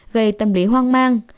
gây tâm lý hoang mang